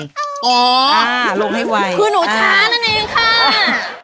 อ๋อหนูลงให้ไวคือหนูช้านั่นเองค่ะ